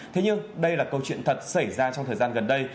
thế nhưng đây là câu chuyện thật xảy ra trong thời gian gần đây